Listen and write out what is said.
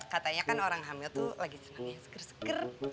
katanya kan orang hamil tuh lagi senangnya seger seger